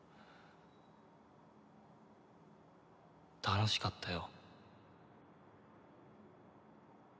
楽しかったよ。